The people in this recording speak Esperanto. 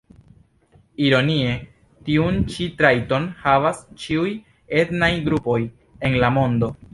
Ironie, tiun ĉi trajton havas ĉiuj etnaj grupoj en la mondo.